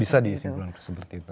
bisa disimpulkan seperti itu